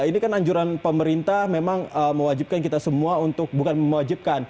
ini kan anjuran pemerintah memang mewajibkan kita semua untuk bukan mewajibkan